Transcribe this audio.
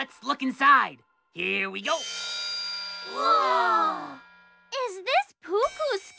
うわ！